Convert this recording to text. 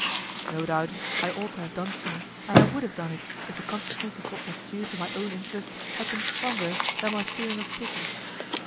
No doubt I ought to have done so, and I would have done it if the consciousness of what was due to my own interest had been stronger than my feeling of pity.